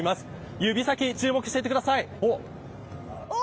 指先、注目していてください。